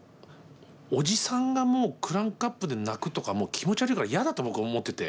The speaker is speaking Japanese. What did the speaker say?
おじさんがもうクランクアップで泣くとかもう気持ち悪いから嫌だと僕は思ってて。